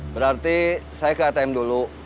berarti saya ke atm dulu